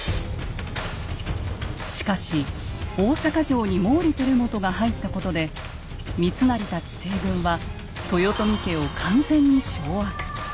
しかし大坂城に毛利輝元が入ったことで三成たち西軍は豊臣家を完全に掌握。